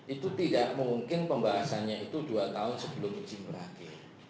itu tidak mungkin pembahasannya itu dua tahun sebelum izin berakhir